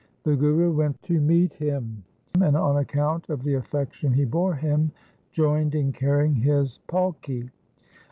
The Guru went to meet him, and on account of the affection he bore him joined in carrying his palki.